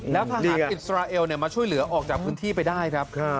แล้วทางอิสราเอลมาช่วยเหลือออกจากพื้นที่ไปได้ครับ